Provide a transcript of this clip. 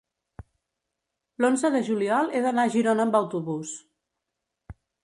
l'onze de juliol he d'anar a Girona amb autobús.